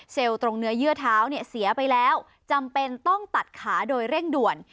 ตรงเนื้อเยื่อเท้าเนี่ยเสียไปแล้วจำเป็นต้องตัดขาโดยเร่งด่วน